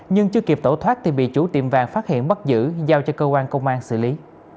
nhưng chưa kịp tẩu thoát thì bị chủ tiệm vàng phát hiện bắt giữ giao cho cơ quan công an xử lý